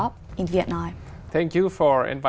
rất năng lực